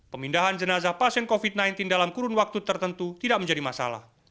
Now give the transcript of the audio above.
pemindahan jenazah pasien covid sembilan belas dalam kurun waktu tertentu tidak menjadi masalah